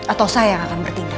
atau saya yang akan bertindak